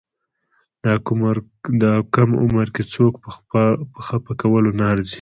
دا کم عمر کې څوک په خپه کولو نه ارزي.